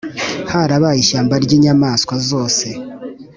harabaye ishyamba ry' inyamaswa zose.